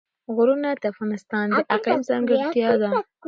غرونه د افغانستان د اقلیم ځانګړتیا ده.